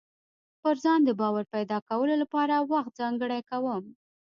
پر ځان د باور پيدا کولو لپاره وخت ځانګړی کوم.